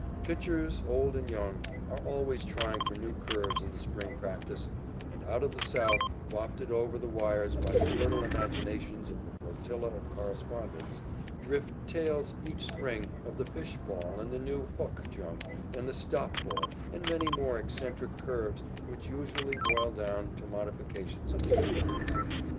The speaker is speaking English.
Pitchers, old and young, are always trying for new curves in the spring practice, and out of the South, wafted over the wires by the fertile imaginations of the flotilla of correspondents, drift tales each spring of the "fish" ball and the new "hook" jump and the "stop" ball and many more eccentric curves which usually boil down to modifications of the old ones.